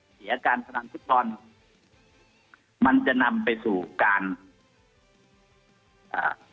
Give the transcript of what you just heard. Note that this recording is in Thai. เสียการพนันฟุตบอลมันจะนำไปสู่การอ่า